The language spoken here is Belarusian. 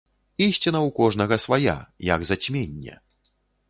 Ісціна ў кожнага свая, як зацьменне!